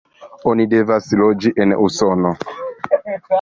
Oni devas loĝi en Usono.